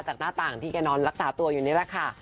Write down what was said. หน้าต่างที่แกนอนรักษาตัวอยู่นี่แหละค่ะ